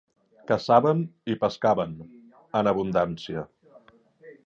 Caçaven i pescaven en abundància.